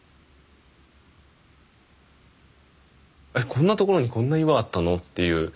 こんなところにこんな岩あったの？っていう